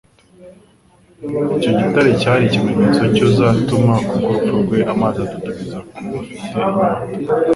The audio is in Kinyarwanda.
Icyo gitare cyari ikimenyetso cy'uzatuma kubw'urupfu rwe amazi adudubiza ku bafite inyota.